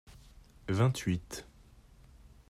vingt huit.